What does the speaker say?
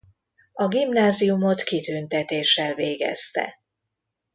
A gimnáziumot kitüntetéssel végezte.